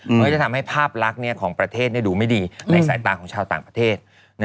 มันก็จะทำให้ภาพลักษณ์ของประเทศดูไม่ดีในสายตาของชาวต่างประเทศ